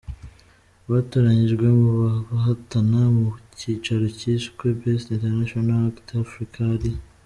batoranyijwe mu bahatana mu cyiciro cyiswe Best International Act: Africa ari.